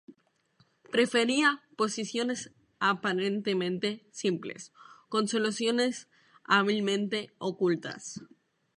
Prefería posiciones aparentemente simples, con soluciones hábilmente ocultas.